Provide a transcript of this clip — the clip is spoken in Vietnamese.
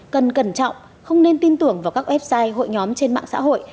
cần cẩn trọng không nên tin tưởng vào các website hội nhóm trên mạng xã hội